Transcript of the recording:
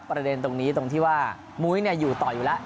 ประเด็นตรงนี้ตรงที่ว่ามุ้ยอยู่ต่ออยู่แล้ว